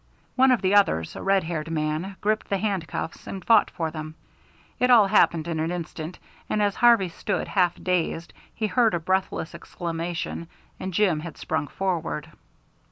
One of the others, a red haired man, gripped the handcuffs and fought for them. It all happened in an instant, and as Harvey stood half dazed, he heard a breathless exclamation, and Jim had sprung forward.